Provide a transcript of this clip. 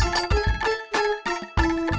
masuk nanti ke lepas baru